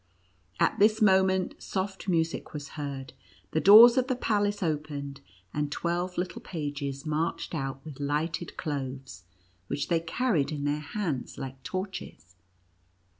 At this moment soft music was heard, the doors of the palace opened, and twelve little pages marched out with lighted cloves, which they carried in their hands like torches.